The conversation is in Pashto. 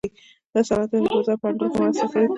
دا صنعتونه د بازار په انډول کې مرسته کوي.